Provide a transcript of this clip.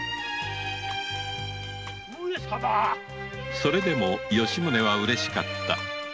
それでも吉宗はうれしかった。